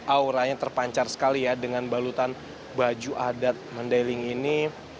auranya terpancar sekali ya dengan balutan baju adat mandailing ini